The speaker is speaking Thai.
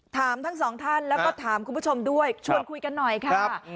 ถามทั้งสองท่านแล้วก็ถามคุณผู้ชมด้วยชวนคุยกันหน่อยค่ะ